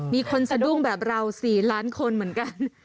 มีคนสะดุ้งแบบเรา๔ล้านคนเหมือนกัน